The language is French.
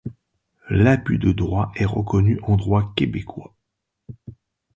L'abus de droit est reconnu en droit québécois.